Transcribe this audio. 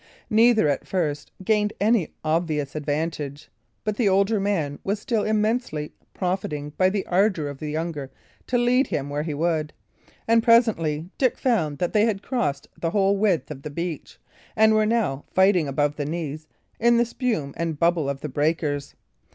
Neither at first gained any obvious advantage; but the older man was still insensibly profiting by the ardour of the younger to lead him where he would; and presently Dick found that they had crossed the whole width of the beach, and were now fighting above the knees in the spume and bubble of the breakers.